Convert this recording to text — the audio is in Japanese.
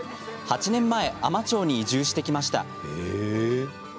８年前、海士町に移住してきました。